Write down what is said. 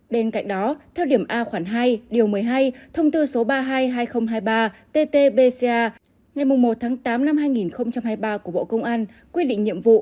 bên cạnh đó theo điểm a khoảng hai điều một mươi hai thông tư số ba trăm hai mươi hai nghìn hai mươi ba ttbca ngày một tám hai nghìn hai mươi ba của bộ công an quy định nhiệm vụ